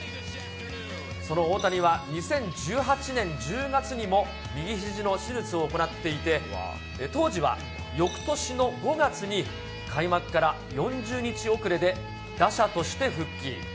その大谷は、２０１８年１０月にも右ひじの手術を行っていて、当時はよくとしの５月に、開幕から４０日遅れで、打者として復帰。